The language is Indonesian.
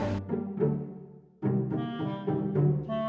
iya ma kimberly agak kurang sehat badannya